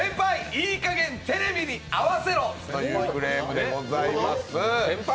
いい加減にテレビに合わせろというクレームでございます。